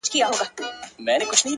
د نازولي یار په یاد کي اوښکي غم نه دی؛